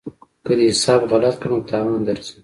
که دې حساب غلط کړ نو تاوان درځي.